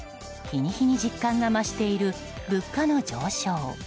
日に日に実感が増している物価の上昇。